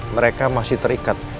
mereka masih terikat